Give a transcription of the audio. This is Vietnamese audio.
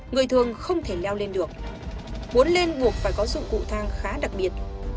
người thường không thể leo lên được muốn lên buộc phải có dụng cụ thang khá đặc biệt